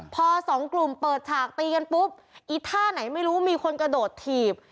พอสองกลุ่มเปิดฉากตีกันปุ๊บอีท่าไหนไม่รู้มีคนกระโดดถีบ